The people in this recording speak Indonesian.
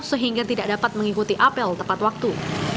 sehingga tidak dapat mengikuti apel tepat waktu